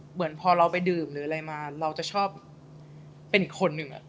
เหมือนพอเราไปดื่มหรืออะไรมาเราจะชอบเป็นอีกคนนึง